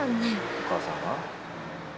お母さんが？